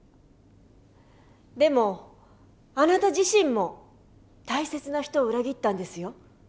でもあなた自身も大切な人を裏切ったんですよ。